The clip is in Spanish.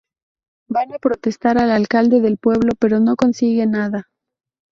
Van a protestar al alcalde del pueblo, pero no consiguen nada.